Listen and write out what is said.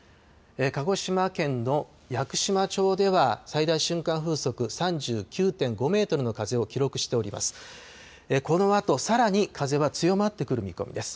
鹿児島県の屋久島町では最大瞬間風速３９．５メートルの風を記録しております。